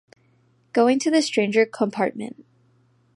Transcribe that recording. Going to the stranger compartment.